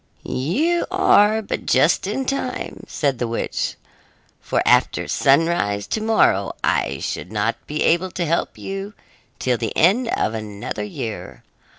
"You are but just in time," said the witch, "for after sunrise to morrow I should not be able to help you till the end of another year.